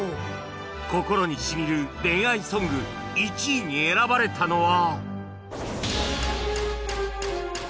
『心にしみる恋愛ソング』１位に選ばれたのは